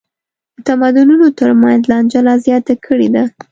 د تمدنونو تر منځ لانجه لا زیاته کړې ده.